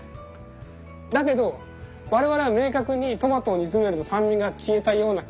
だけど我々は明確にトマトを煮詰めると酸味が消えたような気がするじゃないですか。